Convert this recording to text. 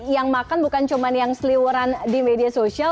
yang makan bukan cuma yang seliweran di media sosial